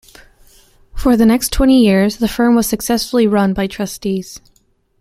For the next twenty years the firm was successfully run by trustees.